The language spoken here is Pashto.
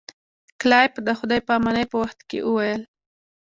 کلایف د خدای په امانی په وخت کې وویل.